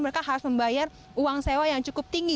mereka harus membayar uang sewa yang cukup tinggi